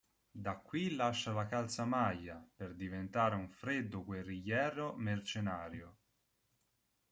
Da qui lascia la calzamaglia, per diventare un freddo guerrigliero mercenario.